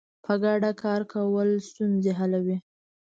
په ګډه کار کول ستونزې حلوي.